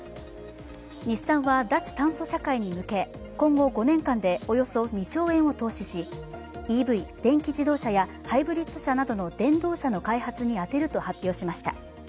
日産は脱炭素社会に向け今後５年間でおよそ２兆円を投資しＥＶ＝電気自動車やハイブリッド車などの電動車の開発に充てると発表しました。